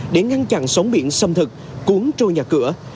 để ngăn chặn sóng biển xâm thực cuốn trôi nhà cửa